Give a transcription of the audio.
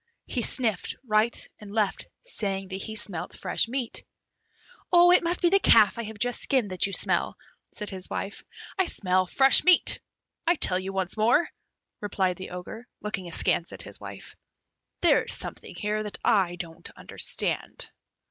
He sniffed right and left, saying that he smelt fresh meat. "It must be the calf I have just skinned that you smell," said his wife. "I smell fresh meat, I tell you once more," replied the Ogre, looking askance at his wife; "there is something here that I don't understand."